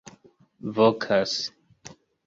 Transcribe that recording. vokas